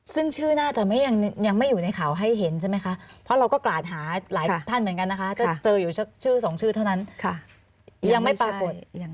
ซึ่งชื่อน่าจะยังไม่อยู่ในข่าวให้เห็นใช่ไหมคะเพราะเราก็กราดหาหลายท่านเหมือนกันนะคะจะเจออยู่สักชื่อสองชื่อเท่านั้นยังไม่ปรากฏ